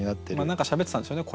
何かしゃべってたんでしょうね